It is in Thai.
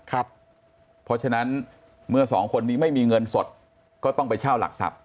เพราะฉะนั้นเมื่อสองคนนี้ไม่มีเงินสดก็ต้องไปเช่าหลักทรัพย